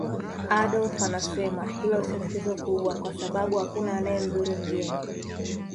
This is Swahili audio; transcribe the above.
Adolf anasema hilo sio tatizo kubwa kwa sababu hakuna anayemdhuru mgeni